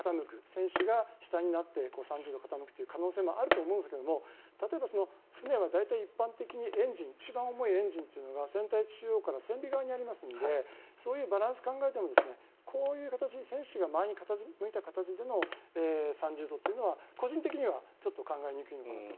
船首が下になって３０度傾くということも可能性もあると思うんですが例えば、船は大体一般的に一番重いエンジンというのが船体中央から船尾側にありますのでそういうバランスを考えてもこういう形に船首が前に傾いた形での３０度というのは個人的にはちょっと考えにくいのかなと。